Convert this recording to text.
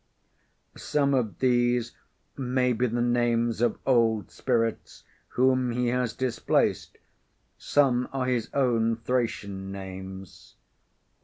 Some of these may be the names of old spirits whom he has displaced; some are his own Thracian names.